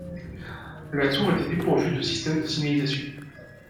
La tour était dépourvue de système de signalisation.